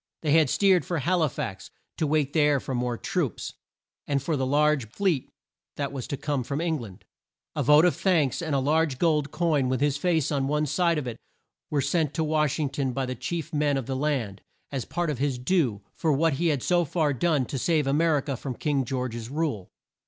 They had steered for Hal i fax, to wait there for more troops, and for the large fleet that was to come from Eng land. A vote of thanks and a large gold coin with his face on one side of it, were sent to Wash ing ton by the chief men of the land, as part of his due for what he had so far done to save A mer i ca from King George's rule.